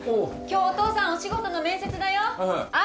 今日お父さんお仕事の面接だよ敦！